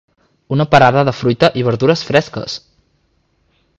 Una parada de fruita i verdures fresques.